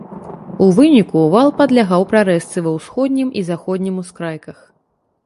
У выніку вал падлягаў прарэзцы ва ўсходнім і заходнім ускрайках.